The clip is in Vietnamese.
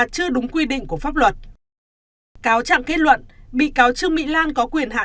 trong quá trình điều tra và tài tòa